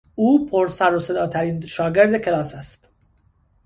او پر سرو صدا ترین شاگرد کلاس است.